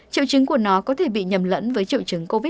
triệu chứng của nó có thể bị nhầm lẫn với triệu chứng covid một mươi